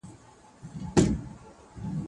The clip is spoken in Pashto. زه هره ورځ خبري کوم